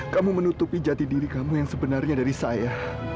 kamu menutupi jati diri kamu yang sebenarnya dari saya